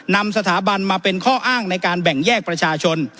นำสถาบันมาเป็นข้ออ้างในการแบ่งแยกประชาชน